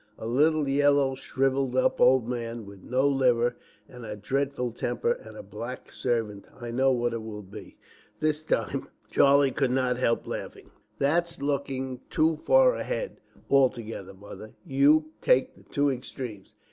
A little, yellow, shrivelled up old man with no liver, and a dreadful temper, and a black servant. I know what it will be." This time Charlie could not help laughing. "That's looking too far ahead altogether, Mother. You take the two extremes.